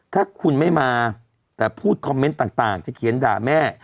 ถ้าคุณไม่มาแต่พูดคอมเมนต์ต่างจะเขียนด่าแม่